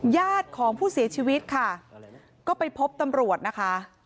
ญาติของผู้เสียชีวิตค่ะก็ไปพบตำรวจนะคะ